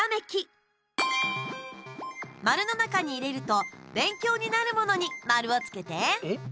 丸の中に入れると勉強になるものに丸をつけて。